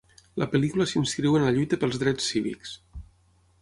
La pel·lícula s'inscriu en la lluita pels drets cívics.